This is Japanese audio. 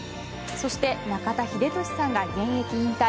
そして中田英寿さんが現役引退。